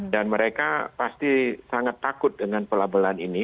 dan mereka pasti sangat takut dengan pelabelan ini